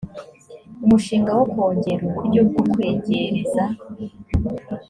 umushinga wo kongera uburyo bwo kwegereza